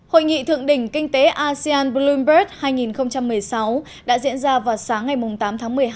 hội nghị thượng đỉnh kinh tế asean bloomberg hai nghìn một mươi sáu đã diễn ra vào sáng ngày tám tháng một mươi hai